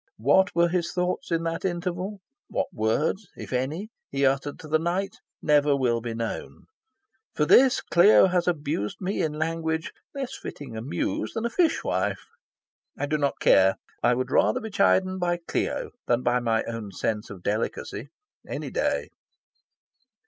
What were his thoughts in that interval, what words, if any, he uttered to the night, never will be known. For this, Clio has abused me in language less befitting a Muse than a fishwife. I do not care. I would rather be chidden by Clio than by my own sense of delicacy, any day.